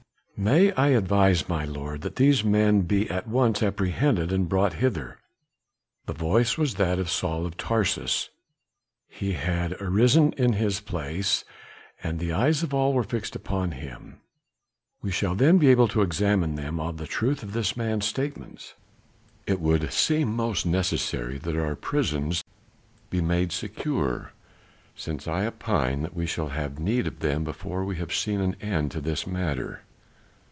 "May I advise, my lord, that these men be at once apprehended and brought hither?" The voice was that of Saul of Tarsus; he had arisen in his place, and the eyes of all were fixed upon him. "We shall then be able to examine them of the truth of this man's statements. It would seem most necessary that our prisons be made secure, since I opine that we shall have need of them before we have seen an end to this matter."